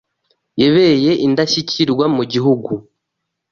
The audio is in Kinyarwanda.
yebeye Indeshyikirwe mu gihugu